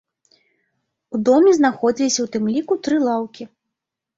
У доме знаходзіліся ў тым ліку тры лаўкі.